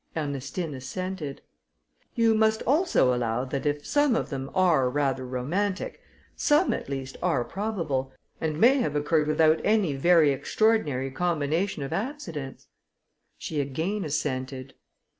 Ernestine assented. "You must also allow, that if some of them are rather romantic, some at least are probable, and may have occurred without any very extraordinary combination of accidents." She again assented.